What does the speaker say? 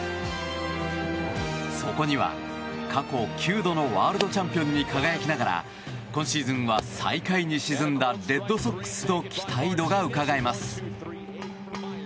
そこには、過去９度のワールドチャンピオンに輝きながら今シーズンは最下位に沈んだレッドソックスの期待度がうかがえます。